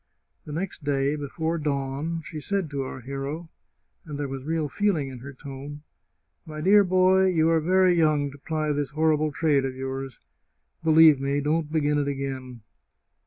The next day, before dawn, she said to our hero, and there was real feeling in her tone :" My dear boy, you are very young to ply this horrible trade of yours. Believe me, don't begin it again